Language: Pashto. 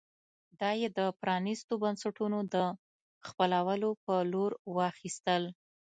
دا یې د پرانېستو بنسټونو د خپلولو په لور واخیستل.